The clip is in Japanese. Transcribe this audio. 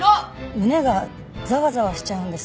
胸がざわざわしちゃうんです。